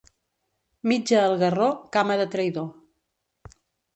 Mitja al garró, cama de traïdor.